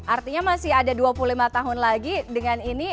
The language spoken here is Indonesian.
artinya masih ada dua puluh lima tahun lagi dengan ini